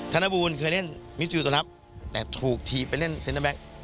ธนบูลเคยเล่นมิสยูตัวรับแต่ถูกถีบไปเล่นเซ็นเตอร์แบ็ค